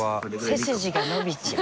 背筋が伸びちゃう。